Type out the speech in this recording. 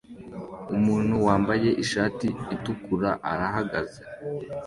Umuntu wambaye ishati itukura arahagaze